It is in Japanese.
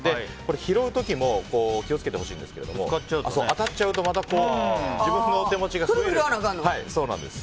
拾う時も気を付けてほしいですが当たっちゃうと自分の手持ちが増えるので。